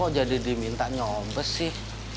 kok jadi diminta nyobes sih